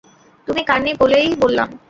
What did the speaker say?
তুমি কার্নি বলেই বললাম।